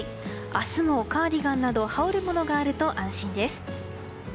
明日もカーディガンなど羽織るものがあると安心です。